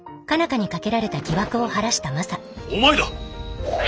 花にかけられた疑惑を晴らしたマサお前だ！